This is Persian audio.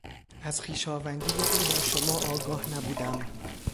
از خویشاوندی او با شما آگاه نبودم.